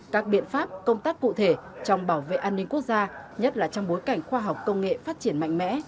các biện pháp công tác cụ thể trong bảo vệ an ninh quốc gia nhất là trong bối cảnh khoa học công nghệ phát triển mạnh mẽ